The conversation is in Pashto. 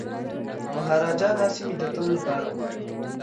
مهاراجا دا سیمي د تل لپاره غواړي.